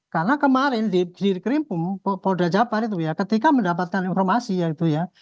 karena kemarin di kerimpung polda japa itu ya ketika mendapatkan informasi ya gitu ya